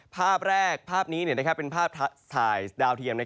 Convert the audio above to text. ภาพแรกภาพนี้เป็นภาพถ่ายดาวเทียม